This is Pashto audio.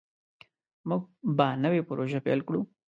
موږ به نوې پروژه پیل کړو.